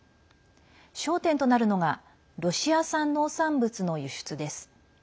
焦点となるのがロシア産農産物の輸出です。